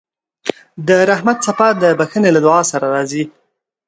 د رحمت څپه د بښنې له دعا سره راځي.